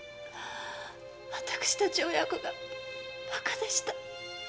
私たち親子がバカでした。